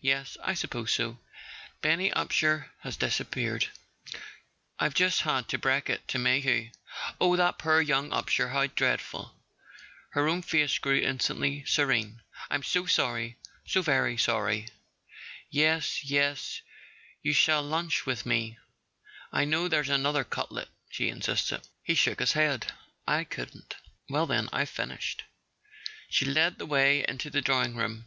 Yes, I suppose so. Benny Upsher has disappeared—I've just had to break it to Mayhew." "Oh, that poor young Upsher? How dreadful!" Her own face grew instantly serene. "I'm so sorry —so very sorry. .. Yes, yes, you shall lunch with me—I know there's another cutlet," she insisted. He shook his head. "I couldn't." "Well, then, I've finished." She led the way into the drawing room.